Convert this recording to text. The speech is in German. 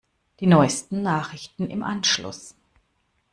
Die neusten Nachrichten im Anschluss.